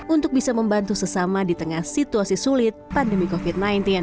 untuk bisa membantu sesama di tengah situasi sulit pandemi covid sembilan belas